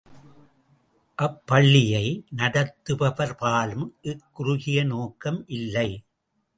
அப்பள்ளியை நடத்துபவர்பாலும் இக்குறுகிய நோக்கம் இல்லை.